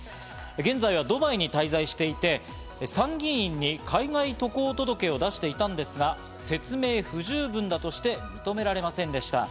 現在はドバイに滞在していて、参議院に海外渡航届を出していたんですが説明不十分だとして、認められませんでした。